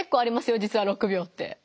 じつは６秒って。